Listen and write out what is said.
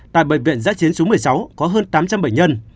tại bệnh viện giã chiến số một mươi sáu có hơn tám trăm linh bệnh nhân